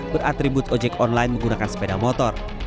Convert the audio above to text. beratribut ojek online menggunakan sepeda motor